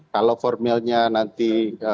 kalau formilnya nanti